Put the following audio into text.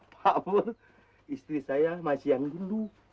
pak pun istri saya masih yang dulu